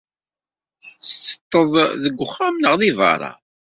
Tettetteḍ deg wexxam neɣ deg beṛṛa?